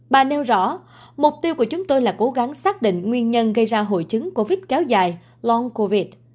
bà nêu rõ mục tiêu của chúng tôi là cố gắng xác định nguyên nhân gây ra hội chứng covid kéo dài loncovite